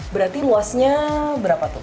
berarti luasnya berapa tuh